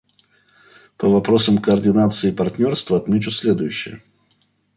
По вопросам координации и партнерства отмечу следующее.